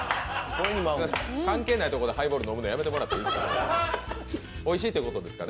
関係ないところでハイボール飲むのやめていただけますか。